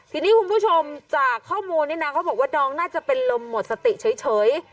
ทีนี้คุณผู้ชมจากข้อมูลนี่นะเขาบอกว่าน้องน่าจะเป็นลมหมดสติเฉย